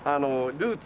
ルーツ。